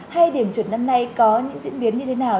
hay điểm chuẩn năm nay có những diễn biến như thế nào